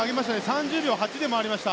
３０秒８で回りました。